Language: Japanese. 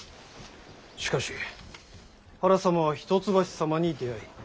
しかし原様は一橋様に出会い